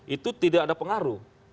itu tidak ada pengaruh